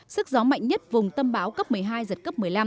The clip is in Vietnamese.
sức gió mạnh nhất vùng tâm bão cấp một mươi hai giật cấp một mươi năm